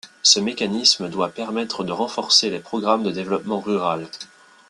Ce mécanisme doit permettre de renforcer les programmes de développement rural.